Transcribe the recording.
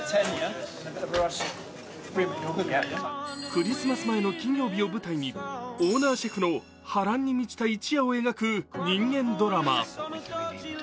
クリスマス前の金曜日を舞台にオーナーシェフの波乱に満ちた一夜を描く人間ドラマ。